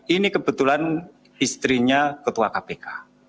ini kebetulan istrinya ketua kpk